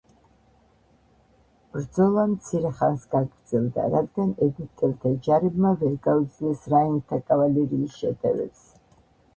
ბრძოლა მცირე ხანს გაგრძელდა, რადგან ეგვიპტელთა ჯარებმა ვერ გაუძლეს რაინდთა კავალერიის შეტევებს.